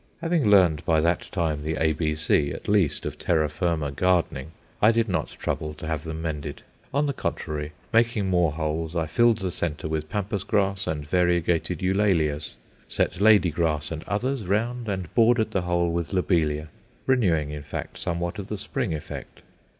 Having learned by that time the ABC, at least, of terra firma gardening, I did not trouble to have them mended. On the contrary, making more holes, I filled the centre with Pampas grass and variegated Eulalias, set lady grass and others round, and bordered the whole with lobelia renewing, in fact, somewhat of the spring effect.